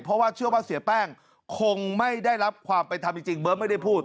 เพราะว่าเชื่อว่าเสียแป้งคงไม่ได้รับความเป็นธรรมจริงเบิร์ตไม่ได้พูด